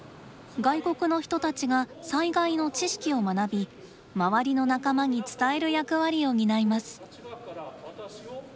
外国の人たちが災害の知識を学び周りの仲間に伝える役割を担います。